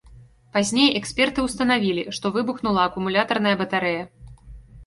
Пазней эксперты ўстанавілі, што выбухнула акумулятарная батарэя.